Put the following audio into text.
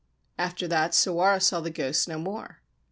After that Sawara saw the ghost no more.